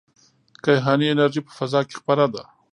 کیهاني انرژي په فضا کې خپره ده.